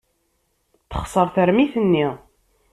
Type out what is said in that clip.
Texṣer tarmit-nni.